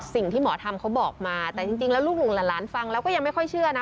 สิ่งที่หมอทำเขาบอกมาแต่จริงแล้วลูกลุงหลานฟังแล้วก็ยังไม่ค่อยเชื่อนะ